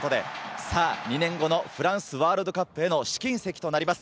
２年後のフランスワールドカップへの試金石となります。